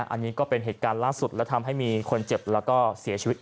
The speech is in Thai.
อันนี้ก็เป็นเหตุการณ์ล่าสุดและทำให้มีคนเจ็บแล้วก็เสียชีวิต